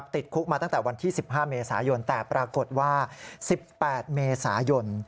ติดคุกมาตั้งแต่วันที่๑๕เมษายนแต่ปรากฏว่า๑๘เมษายน